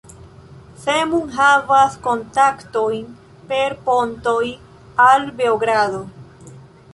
Zemun havas kontaktojn per pontoj al Beogrado.